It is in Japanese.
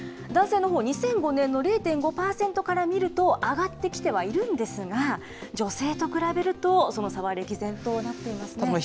男性のほう２００５年の０．５％から見ると、上がってきてはいるんですが、女性と比べると、その差は歴然となっていますね。